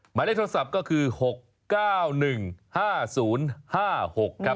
หมายเลขโทรศัพท์ก็คือ๖๙๑๕๐๕๖ครับ